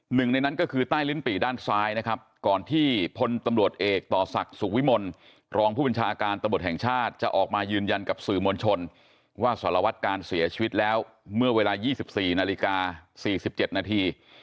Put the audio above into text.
หนึ่งในนั้นก็คือใต้ลิ้นปี่ด้านซ้ายนะครับก่อนที่พลตำรวจเอกต่อศักดิ์สุขวิมลรองผู้บัญชาการตำรวจแห่งชาติจะออกมายืนยันกับสื่อมวลชนว่าสารวัตการเสียชีวิตแล้วเมื่อเวลา๒๔นาฬิกา๔๗นาที